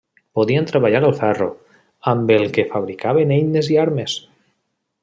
Podien treballar el ferro, amb el que fabricaven eines i armes.